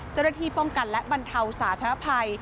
เจ้าหน้าที่ป้องกันและบรรเทาสาธารณภัย